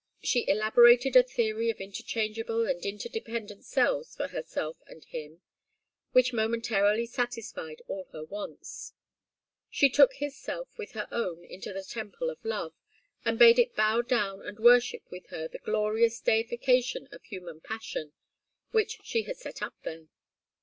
She elaborated a theory of interchangeable and interdependent selves for herself and him, which momentarily satisfied all her wants. She took his self with her own into the temple of love, and bade it bow down and worship with her the glorious deification of human passion which she had set up there.